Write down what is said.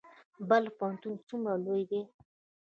بلخ پوهنتون څومره لوی دی؟